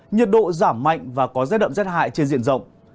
nhiệt độ giảm mạnh và có rét đậm rét hại trên diện rộng